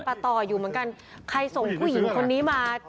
ต่ออยู่เหมือนกันใครส่งผู้หญิงคนนี้มา